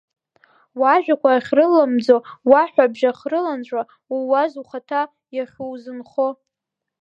Уажәақәа ахьрыламӡо, уҳәҳәабжь ахьрыланҵәо, ууаз ухаҭа иахьузынхо…